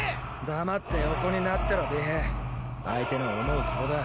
黙って横になってろ尾平相手の思うつぼだ。